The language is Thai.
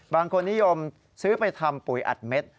บางคนนิยมซื้อไปทำปุ๋ยอัดเม็ด